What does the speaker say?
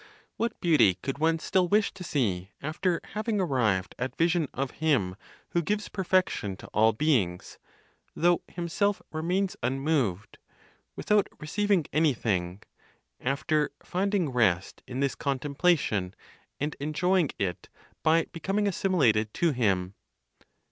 What beauty could one still wish to see after having arrived at vision of Him who gives perfection to all beings, though himself remains unmoved, without receiving anything; after finding rest in this contemplation, and enjoying it by becoming assimilated to Him?